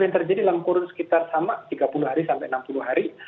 yang terjadi dalam kurun sekitar sama tiga puluh hari sampai enam puluh hari